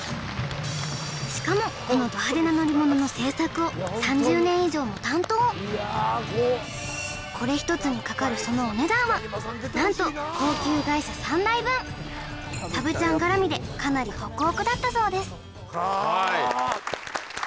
しかもこのド派手な乗り物の製作を３０年以上も担当これ１つにかかるそのお値段はなんとサブちゃん絡みでかなりホクホクだったそうです